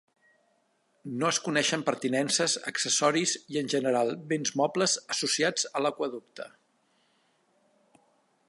No es coneixen pertinences, accessoris i en general béns mobles associats a l'aqüeducte.